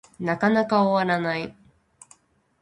なかなか終わらない